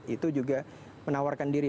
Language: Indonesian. itu juga menawarkan diri